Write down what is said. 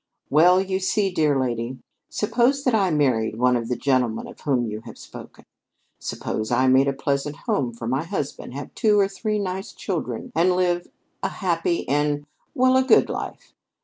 "Well, you see, dear lady, suppose that I marry one of the gentlemen of whom you have spoken. Suppose I make a pleasant home for my husband, have two or three nice children, and live a happy and well, a good life.